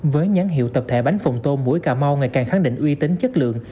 với nhắn hiệu tập thể bánh phồng tôm mỗi cà mau ngày càng khẳng định uy tín chất lượng